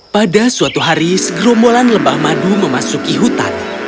pada suatu hari segerombolan lebah madu memasuki hutan